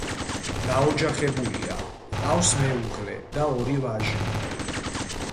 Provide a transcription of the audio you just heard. დაოჯახებულია, ჰყავს მეუღლე და ორი ვაჟი.